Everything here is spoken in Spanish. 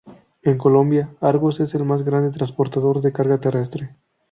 En Colombia, Argos es el más grande transportador de carga terrestre.